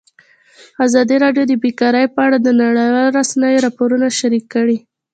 ازادي راډیو د بیکاري په اړه د نړیوالو رسنیو راپورونه شریک کړي.